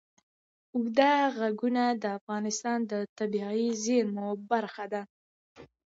اوږده غرونه د افغانستان د طبیعي زیرمو برخه ده.